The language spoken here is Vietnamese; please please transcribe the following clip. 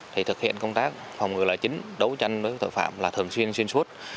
thì thực hiện công tác phòng ngừa là chính đấu tranh với tội phạm là thường xuyên xuyên suốt